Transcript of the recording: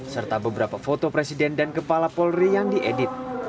serta beberapa foto presiden dan kepala polri yang diedit